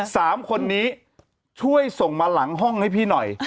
สามคนนี้ช่วยส่งมาหลังห้องให้พี่หน่อย